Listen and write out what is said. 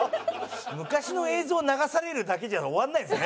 昔の映像を流されるだけじゃ終わらないんですね。